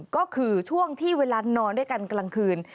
ก็คือช่วงที่เวลานอนด้วยกันกลางคืน